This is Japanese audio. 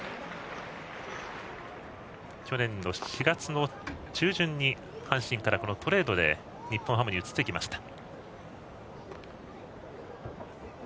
去年、阪神からトレードで日本ハムに移ってきました。